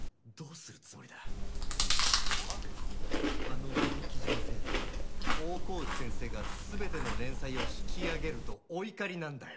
あのウェブ記事のせいで大河内先生が全ての連載を引き揚げるとお怒りなんだよ。